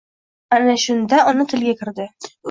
Ana shunda, ona tilga kirdi.